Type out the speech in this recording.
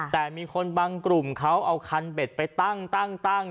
แต่มีคนบางกลุ่มเขาเอาคันเบ็ดไปตั้ง